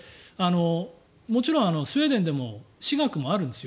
もちろん、スウェーデンでも私学もあるんですよ。